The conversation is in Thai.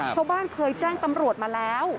ชาวบ้านเคยแจ้งตำรวจมาแล้ว